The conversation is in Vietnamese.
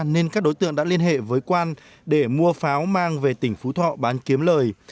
nên các đối tượng đã liên hệ với quan để mua pháo mang về tỉnh phú thọ bán kiếm lời